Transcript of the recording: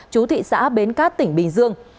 trú thị xã bến cát tỉnh bình dương